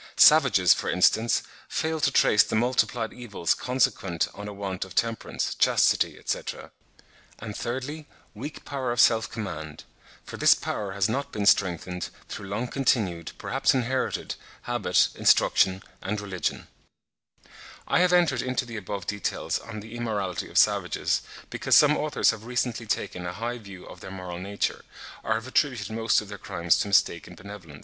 Savages, for instance, fail to trace the multiplied evils consequent on a want of temperance, chastity, etc. And, thirdly, weak power of self command; for this power has not been strengthened through long continued, perhaps inherited, habit, instruction and religion. I have entered into the above details on the immorality of savages (39. See on this subject copious evidence in Chap. vii. of Sir J. Lubbock, 'Origin of Civilisation,' 1870.), because some authors have recently taken a high view of their moral nature, or have attributed most of their crimes to mistaken benevolence.